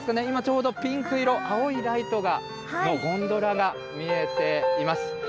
今ちょうどピンク色、青いライトが、ゴンドラが見えています。